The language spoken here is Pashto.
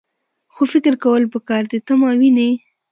خو فکر کول پکار دي . ته ماوینې؟